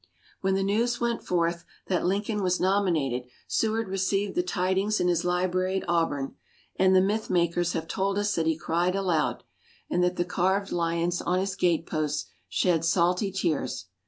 When the news went forth that Lincoln was nominated, Seward received the tidings in his library at Auburn; and the myth makers have told us that he cried aloud, and that the carved lions on his gateposts shed salty tears.